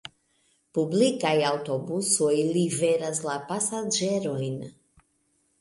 Publikaj aŭtobusoj liveras la pasaĝerojn.